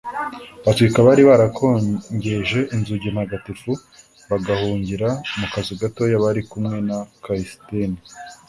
batwika abari barakongeje inzugi ntagatifu bagahungira mu kazu gatoya bari kumwe na kalisiteni